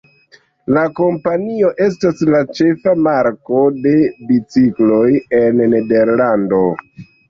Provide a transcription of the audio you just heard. La kompanio estas la ĉefa marko de bicikloj en Nederlando.